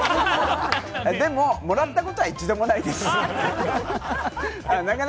でも、もらったことは一度もないです。